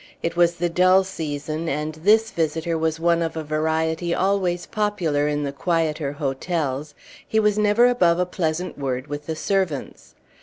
It was the dull season, and this visitor was one of a variety always popular in the quieter hotels; he was never above a pleasant word with the servants.